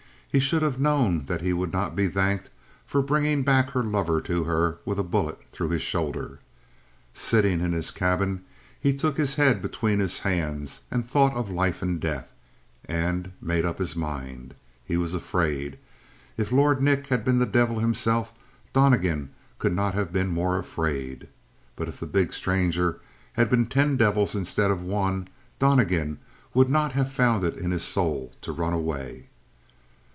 He should have known that he would not be thanked for bringing back her lover to her with a bullet through his shoulder. Sitting in his cabin, he took his head between his hands and thought of life and death, and made up his mind. He was afraid. If Lord Nick had been the devil himself Donnegan could not have been more afraid. But if the big stranger had been ten devils instead of one Donnegan would not have found it in his soul to run away.